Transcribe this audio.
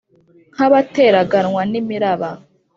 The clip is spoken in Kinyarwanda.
nk abateraganwa n imiraba